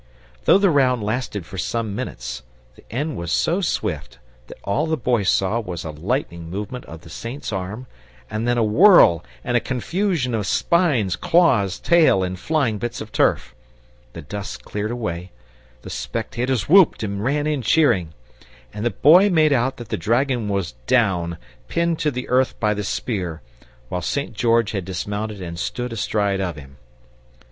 Though the round lasted for some minutes, the end was so swift that all the Boy saw was a lightning movement of the Saint's arm, and then a whirl and a confusion of spines, claws, tail, and flying bits of turf. The dust cleared away, the spectators whooped and ran in cheering, and the Boy made out that the dragon was down, pinned to the earth by the spear, while St. George had dismounted, and stood astride of him.